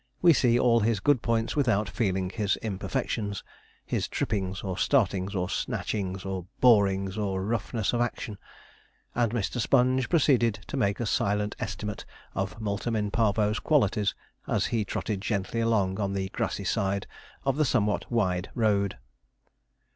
We see all his good points without feeling his imperfections his trippings, or startings, or snatchings, or borings, or roughness of action, and Mr. Sponge proceeded to make a silent estimate of Multum in Parvo's qualities as he trotted gently along on the grassy side of the somewhat wide road.